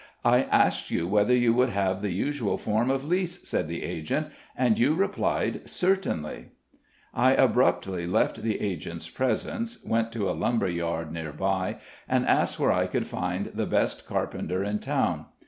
"I asked you whether you would have the usual form of lease," said the agent, "and you replied, 'Certainly.'" I abruptly left the agent's presence, went to a lumber yard near by, and asked where I could find the best carpenter in town.